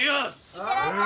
いってらっしゃい。